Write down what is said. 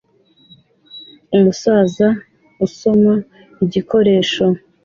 Umusaza usoma igikoresho